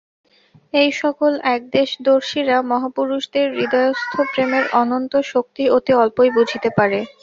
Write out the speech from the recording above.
এই-সকল একদেশদর্শীরা মহাপুরুষদের হৃদয়স্থ প্রেমের অনন্ত শক্তি অতি অল্পই বুঝিতে পারে।